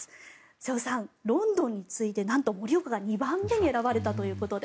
瀬尾さん、ロンドンに次いでなんと盛岡が２番目に選ばれたということで。